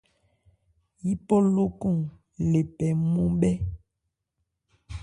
Yípɔ lókɔn le pɛ nmɔ́n-'bhɛ.